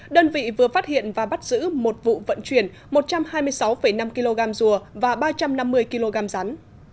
đơn vị vừa phát hiện và bắt giữ một vụ vận chuyển một trăm hai mươi sáu năm kg rùa và ba trăm năm mươi kg rắn